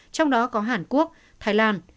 trong đó có hàn quốc thái lan